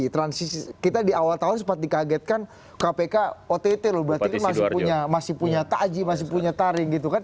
transisi kita di awal tahun sempat dikagetkan kpk ott loh berarti kan masih punya taji masih punya taring gitu kan